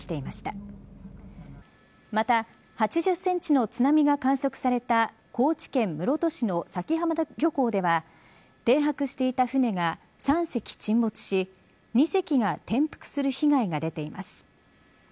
また８０センチの津波が観測された高知県室戸市の佐喜浜漁港では停泊していた船が３隻沈没し２隻が転覆する被害が出ています。